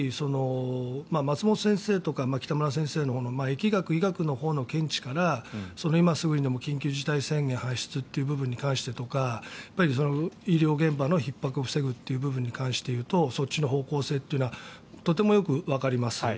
松本先生とか北村先生の疫学、医学のほうの見地から今すぐにでも緊急事態宣言発出という部分に関してとか医療現場のひっ迫を防ぐという部分に関して言うとそっちの方向性というのはとてもよくわかります。